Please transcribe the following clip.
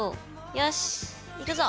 よしいくぞ！